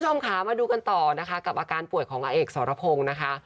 คุณผู้ชมค่ะมาดูกันต่อนะคะกับอาการป่วยของอาเอกสรพงศ์นะคะ